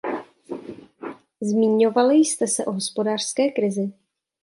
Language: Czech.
Zmíňovali jste se o hospodářské krizi.